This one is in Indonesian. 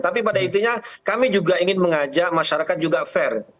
tapi pada intinya kami juga ingin mengajak masyarakat juga fair